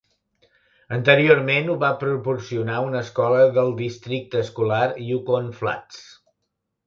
Anteriorment ho va proporcionar una escola del districte escolar Yukon Flats.